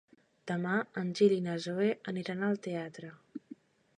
Demà en Gil i na Zoè aniran al teatre.